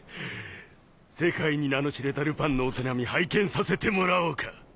世界に名の知れたルパンのお手並み拝見させてもらおうか。